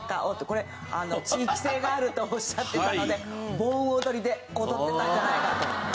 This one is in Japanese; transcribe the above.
これ地域性があるとおっしゃってたので盆踊りで踊ってたんじゃないかと。